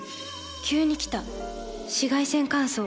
急に来た紫外線乾燥。